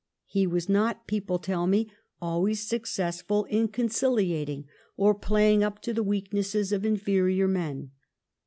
He was not, people tell me, always successful in con ciliating or playing up to the weaknesses of inferior men.